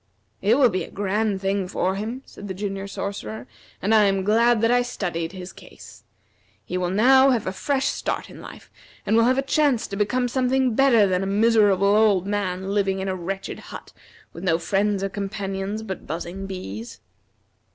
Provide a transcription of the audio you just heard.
"It will be a grand thing for him," said the Junior Sorcerer, "and I am glad that I studied his case. He will now have a fresh start in life, and will have a chance to become something better than a miserable old man living in a wretched hut with no friends or companions but buzzing bees."